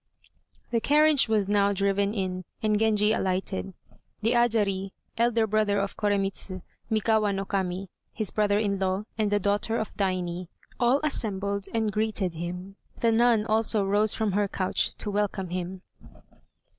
The carriage was now driven in, and Genji alighted. The Ajari, elder brother of Koremitz; Mikawa no Kami, his brother in law; and the daughter of Daini, all assembled and greeted him. The nun also rose from her couch to welcome him.